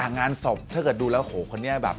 งานศพถ้าเกิดดูแล้วโหคนนี้แบบ